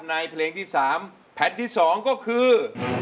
ในเพลงที่๓แผ่นที่๒ก็คือ